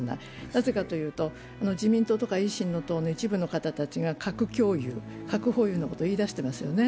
なぜかというと自民党とか維新の党の一部の人たちが核共有、核保有のことを言い出していますよね。